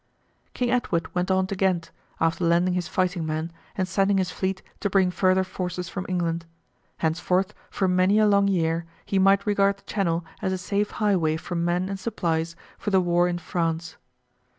King Edward went on to Ghent, after landing his fighting men, and sending his fleet to bring further forces from England. Henceforth for many a long year he might regard the Channel as a safe highway for men and supplies for the war in France.